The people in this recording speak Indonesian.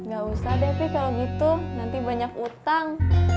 gak usah devi kalo gitu nanti banyak utang